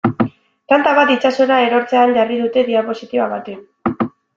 Tanta bat itsasora erortzen jarri dute diapositiba batean.